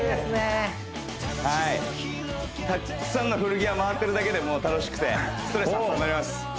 はいたくさんの古着屋回ってるだけでもう楽しくてストレス発散になります